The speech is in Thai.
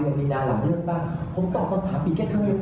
คือเวลาสัมภาษณ์กันหมดทุกช่วง